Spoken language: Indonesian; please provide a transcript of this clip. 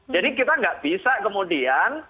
jadi kita gak bisa kemudian